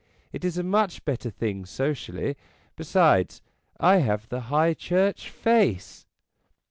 It is a much better thing socially; besides, I have the High Church face."